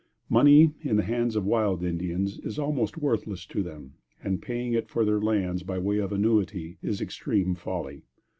Money, in the hands of wild Indians, is almost worthless to them, and paying it for their lands by way of annuity, is extreme folly.